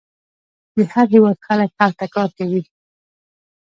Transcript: د هر هیواد خلک هلته کار کوي.